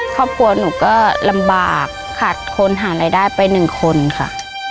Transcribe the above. ครอบครัวหนูก็ลำบากขาดคนหารายได้ไปหนึ่งคนค่ะ